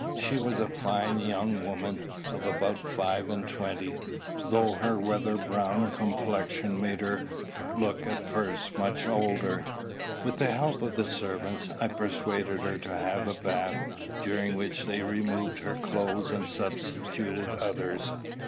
She was a fine young woman, of about five and twenty, though her weather browned complexion made her look at first much older. With the help of the servants, I persuaded her to have a bath, during which they removed her clothes, and substituted others.